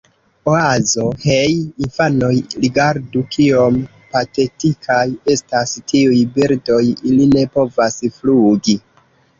Oazo: "Hej infanoj, rigardu kiom patetikaj estas tiuj birdoj. Ili ne povas flugi."